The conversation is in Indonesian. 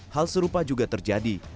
hal serupa juga terjadi